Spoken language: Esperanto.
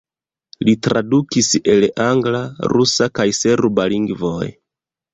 Li tradukis el angla, rusa kaj serba lingvoj.